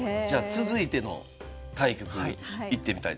続いての対局いってみたいと思います。